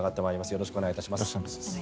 よろしくお願いします。